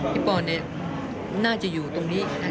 พี่ปอล์เนี่ยน่าจะอยู่ตรงนี้นะ